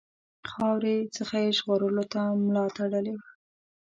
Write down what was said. خاورې څخه یې ژغورلو ته ملا تړلې وه.